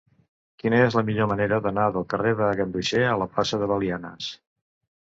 Quina és la millor manera d'anar del carrer de Ganduxer a la plaça de Belianes?